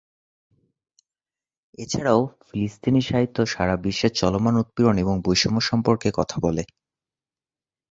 এ ছাড়াও, ফিলিস্তিনি সাহিত্য সারা বিশ্বে চলমান উৎপীড়ন এবং বৈষম্য সম্পর্কে কথা বলে।